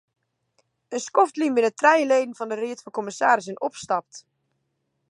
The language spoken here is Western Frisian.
In skoft lyn binne trije leden fan de ried fan kommissarissen opstapt.